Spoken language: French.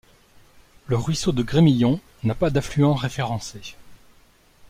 Le ruisseau de Grémillon n'a pas d'affluent référencé.